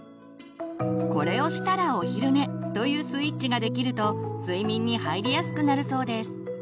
「これをしたらお昼寝」というスイッチができると睡眠に入りやすくなるそうです。